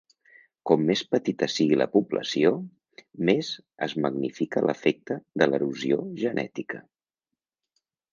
Com més petita sigui la població, més es magnifica l'efecte de l'erosió genètica.